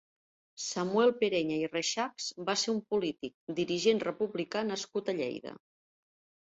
Samuel Pereña i Reixachs va ser un polític, dirigent republicà nascut a Lleida.